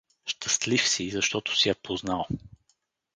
Щастлив си, защото си я познал.